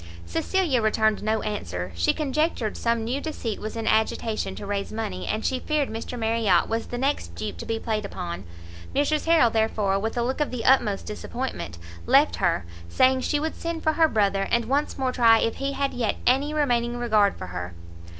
Cecilia returned no answer; she conjectured some new deceit was in agitation to raise money, and she feared Mr Marriot was the next dupe to be played upon. Mrs Harrel, therefore, with a look of the utmost disappointment, left her, saying she would send for her brother, and once more try if he had yet any remaining regard for her.